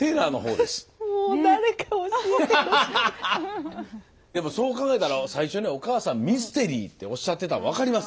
でもそう考えたら最初に「お母さんミステリー」っておっしゃってたの分かります。